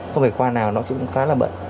không phải khoa nào nó cũng khá là bận